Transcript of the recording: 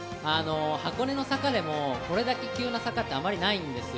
箱根の坂でもこれだけ急な坂ってあまりないんですよ。